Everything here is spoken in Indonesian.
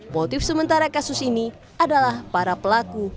motif sementara kasus ini adalah para pelaku